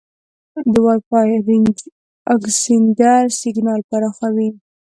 د وای فای رینج اکسټینډر سیګنال پراخوي.